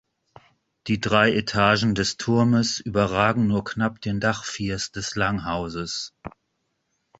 Die drei Etagen des Turmes überragen nur knapp den Dachfirst des Langhauses.